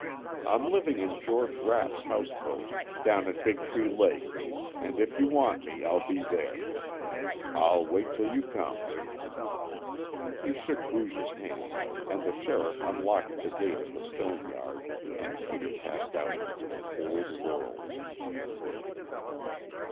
"I'm living in George Rapp's house boat, down at Big Tree Lake, and if you want me, I'll be there. I'll wait 'til you come." He shook Booge's hand and the sheriff unlocked the gate of the stone yard, and Peter passed out into the cold world.